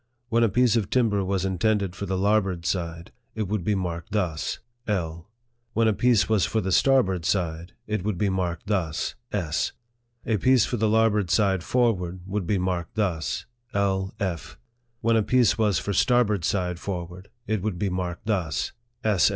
When a piece of timber was intended for the larboard side, it would be marked thus " L." When a piece was for the starboard side, it would be marked thus " S." A piece for the larboard side forward, would be marked thus " L. F." When a piece was for starboard side for ward, it would be marked thus " S.